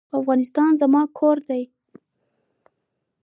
افغانستان زما کور دی.